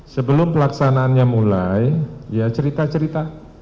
sebelum pelaksanaannya mulai ya cerita cerita